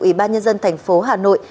ủy ban nhân dân thành phố hà nội